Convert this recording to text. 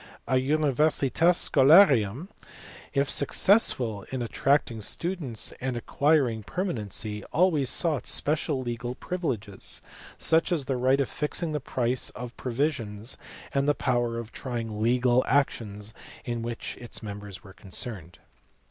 |A universitas scholarium, if successful in at tracting students and acquiring permanency, always sought special legal privileges, such as the right of fixing the price of provisions and the power of trying legal actions in which its members were concerned.